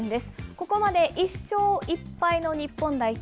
ここまで１勝１敗の日本代表。